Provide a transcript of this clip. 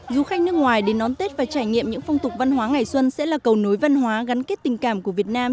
du khách nước ngoài đến đón tết và trải nghiệm những phong tục văn hóa ngày xuân sẽ là cầu nối văn hóa gắn kết tình cảm của việt nam